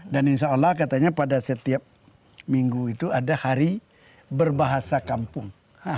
dan insya allah katanya pada setiap minggu itu ada hari berbahasa kampung